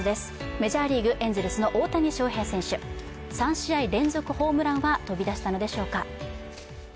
メジャーリーグ、エンゼルスの大谷翔平選手、３試合連続ホームランは飛びだしたのでしょうか。